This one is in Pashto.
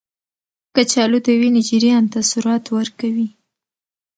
کچالو د وینې جریان ته سرعت ورکوي.